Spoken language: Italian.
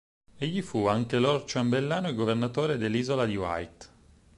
Egli fu anche Lord Ciambellano e governatore dell'Isola di Wight.